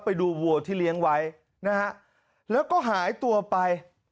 วัวที่เลี้ยงไว้นะฮะแล้วก็หายตัวไป